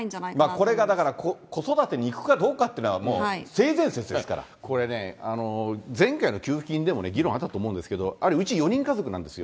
これが子育てにいくかどうかこれね、前回の給付金でも議論あったと思うんですけど、うち４人家族なんですよ。